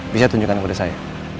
bisa tunjukkan kepada saya